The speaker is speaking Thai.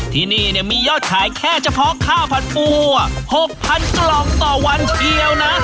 ที่นี่มียอดขายแค่เฉพาะข้าวผัดปัว๖๐๐๐กล่องต่อวันเชียวนะ